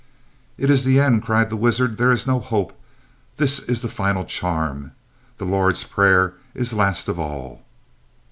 "It is the end," cried the wizard. "There is no hope. This is the final charm. The Lord's Prayer is last of all."